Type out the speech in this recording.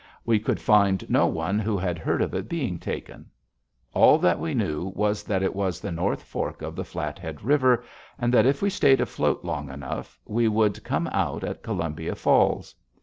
We could find no one who had heard of it being taken. All that we knew was that it was the North Fork of the Flathead River, and that if we stayed afloat long enough, we would come out at Columbia Falls.